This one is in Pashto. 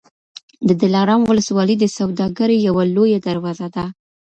د دلارام ولسوالي د سوداګرۍ یوه لویه دروازه ده.